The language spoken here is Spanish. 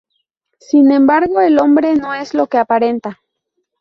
Sin embargo, el hombre no es lo que aparenta.